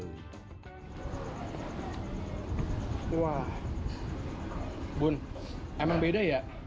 wah bun emang beda ya